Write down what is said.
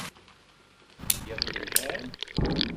Iḍ yelhan.